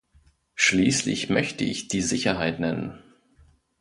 Schließlich möchte ich die Sicherheit nennen.